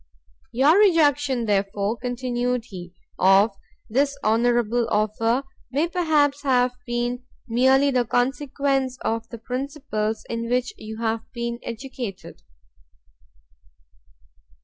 "Your rejection, therefore," continued he, "of this honourable offer, may perhaps have been merely the consequence of the principles in which you have been educated.